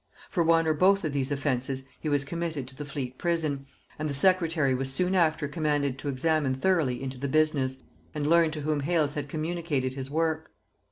For one or both of these offences he was committed to the Fleet prison, and the secretary was soon after commanded to examine thoroughly into the business, and learn to whom Hales had communicated his work.